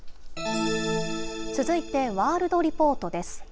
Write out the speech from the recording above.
続いて、ワールドリポートです。